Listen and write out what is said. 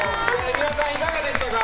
皆さん、いかがでしたか。